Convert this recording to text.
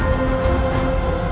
mệ thị trường